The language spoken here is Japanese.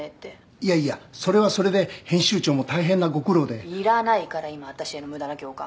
いやいやそれはそれで編集長も大変なご苦労で「いらないから今私への無駄な共感」